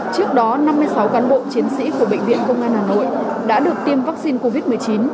trước đó năm mươi sáu cán bộ chiến sĩ của bệnh viện công an hà nội đã được tiêm vaccine covid một mươi chín